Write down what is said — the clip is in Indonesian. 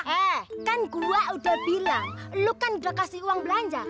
eh kan gua udah bilang lo kan udah kasih uang belanja